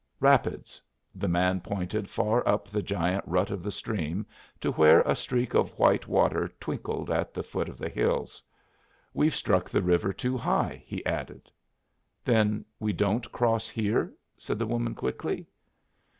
"Rapids!" The man pointed far up the giant rut of the stream to where a streak of white water twinkled at the foot of the hills. "We've struck the river too high," he added. "Then we don't cross here?" said the woman, quickly.